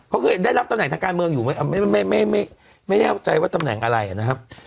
เขาเคยได้รับตำแหน่งทางการเมืองอยู่ไหมไม่แน่ใจว่าตำแหน่งอะไรนะครับ